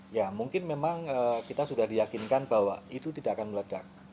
ya mungkin memang kita sudah diyakinkan bahwa itu tidak akan meledak